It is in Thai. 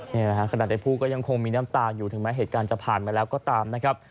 นี่แหละฮะขนาดในผู้ก็ยังคงมีน้ำตาอยู่ถึงแม้เหตุการณ์จะผ่านมาแล้วก็ตามนะครับ